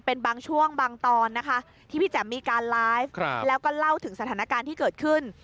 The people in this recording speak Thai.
เป็นบางช่วงบางตอนนะคะที่พี่แจ๋มมีการไลฟ์แล้วก็เล่าถึงสถานการณ์ที่เกิดขึ้น